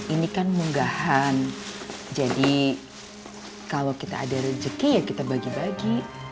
ini kan munggahan jadi kalau kita ada rezeki ya kita bagi bagi